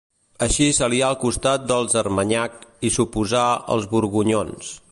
Així s'alià al costat dels Armanyac i s'oposà als Borgonyons.